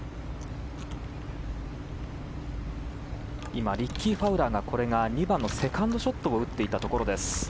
今リッキー・ファウラーが２番のセカンドショットを打っていったところです。